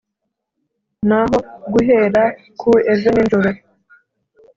naho guhera ku ejo ni njoro